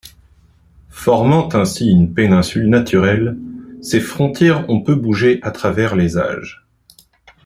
Formant ainsi une péninsule naturelle, ses frontières ont peu bougé à travers les âges.